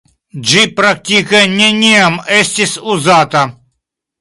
Ĝi praktike neniam estis uzata.